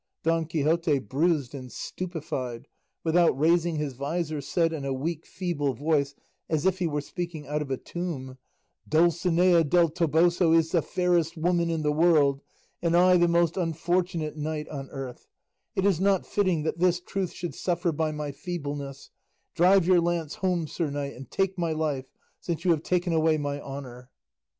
Don Quixote, bruised and stupefied, without raising his visor said in a weak feeble voice as if he were speaking out of a tomb, "Dulcinea del Toboso is the fairest woman in the world, and I the most unfortunate knight on earth; it is not fitting that this truth should suffer by my feebleness; drive your lance home, sir knight, and take my life, since you have taken away my honour."